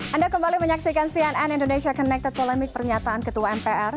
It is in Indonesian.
anda kembali menyaksikan cnn indonesia connected polemik pernyataan ketua mpr